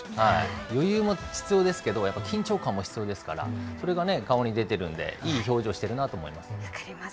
余裕も必要ですけど、やっぱ緊張感も必要ですから、それが顔に出てるので、いい表情してるなと思います。